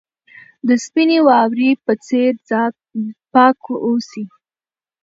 د سپینې واورې په څېر پاک اوسئ.